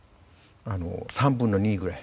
３分の２ぐらい。